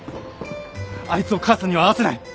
あいつを母さんには会わせない。